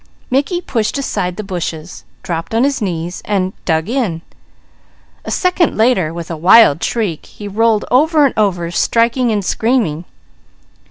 Mickey pushed aside the bushes, dropped on his knees and "dug in." A second later, with a wild shriek, he rolled over and over striking and screaming.